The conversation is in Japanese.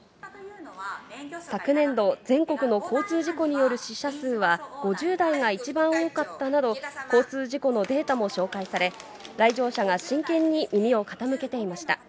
昨年度、全国の交通事故による死者数は５０代が一番多かったなど、交通事故のデータも紹介され、来場者が真剣に耳を傾けていました。